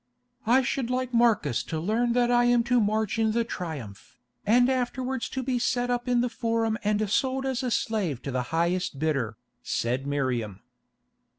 "I should like Marcus to learn that I am to march in the Triumph, and afterwards to be set up in the Forum and sold as a slave to the highest bidder," said Miriam.